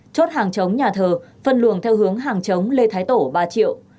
chốt hàng chống nhà thờ phân luồng theo hướng hàng chống lê thái tổ ba triệu